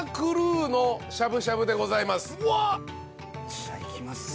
じゃあいきまっせ。